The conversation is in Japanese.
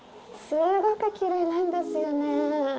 すごくきれいなんですよね。